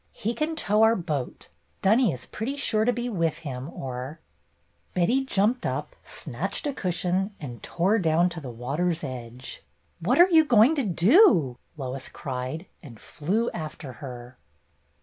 He can tow our boat. Dunny is pretty sure to be with him or —" Betty jumped up, snatched a cushion, and tore down to the water's edge. "What are you going to do?" Lois cried, and flew after her.